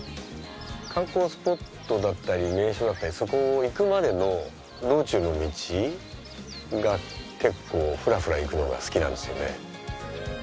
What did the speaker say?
観光スポットだったり名所だったりそこ行くまでの道中の道が結構ふらふら行くのが好きなんですよね。